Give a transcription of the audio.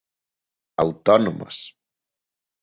Autónomas.